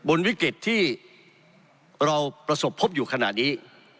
วิกฤตที่เราประสบพบอยู่ขณะนี้